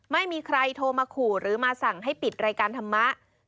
ไม่มีใครโทรมาขู่หรือมาสั่งให้ปิดรายการธรรมะ